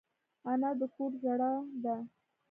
انا د کور زړه ده